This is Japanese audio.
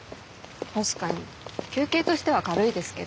確かに求刑としては軽いですけど。